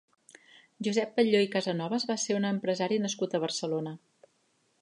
Josep Batlló i Casanovas va ser un empresari nascut a Barcelona.